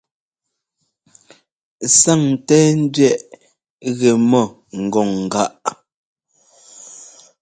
Sáŋńtɛ́ɛńdẅɛꞌ gɛ mɔ ŋgɔŋ gáꞌ.